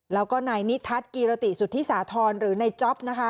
แล้วก็นายนิทัศน์กีรติสุธิสาธรณ์หรือนายจ๊อปนะคะ